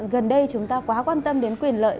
gần đây chúng ta quá quan tâm đến quyền lợi